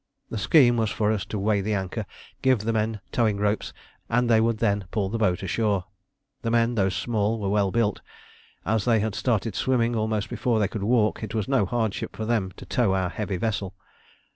The scheme was for us to weigh the anchor, give the men towing ropes, and they would then pull the boat inshore. The men, though small, were well built. As they had started swimming almost before they could walk, it was no hardship for them to tow our heavy vessel.